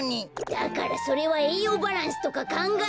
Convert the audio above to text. だからそれはえいようバランスとかかんがえて。